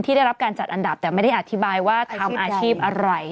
ได้รับการจัดอันดับแต่ไม่ได้อธิบายว่าทำอาชีพอะไร